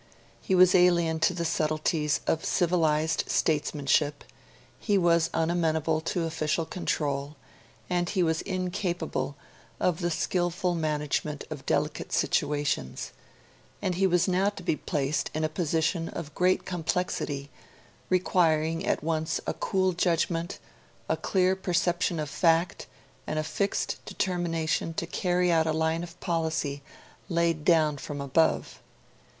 He was alien to the subtleties of civilised statesmanship, he was unamenable to official control, he was incapable of the skilful management of delicate situations; and he was now to be placed in a position of great complexity, requiring at once a cool judgment, a clear perception of fact, and a fixed determination to carry out a line of policy laid down from above.